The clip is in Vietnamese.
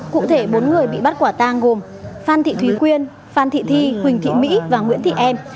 cụ thể bốn người bị bắt quả tang gồm phan thị thúy quyên phan thị thi huỳnh thị mỹ và nguyễn thị em